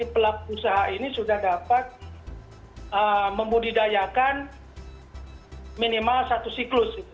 pelaku usaha ini sudah dapat membudidayakan minimal satu siklus